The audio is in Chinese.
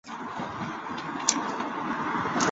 在亚洲的稻米种植业中是危害极大的一种杂草。